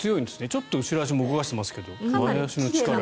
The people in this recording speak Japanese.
ちょっと後ろ足も動かしてますけど前足の力で。